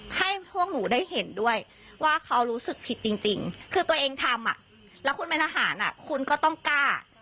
ให้พวกหนูได้เห็นด้วยว่าเขารู้สึกผิดจริงคือตัวเองทำแล้วคุณเป็นทหารคุณก็ต้องกล้า